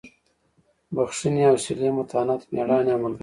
بښنې حوصلې متانت مېړانې او ملګرتیا.